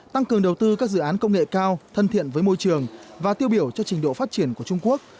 tăng cường đầu tư các dự án công nghệ cao thân thiện với môi trường và tiêu biểu cho trình độ phát triển của trung quốc